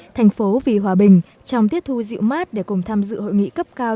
thành phố vì hòa bình trong tiết thu dịu mát để cùng tham dự hội nghị cấp cao